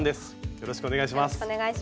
よろしくお願いします。